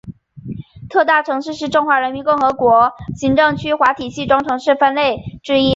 特大城市是中华人民共和国行政区划体系中城市分类之一。